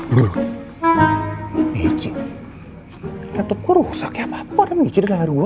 mbicik laptop kok rusak ya apa apa kok ada mbicik di layar gua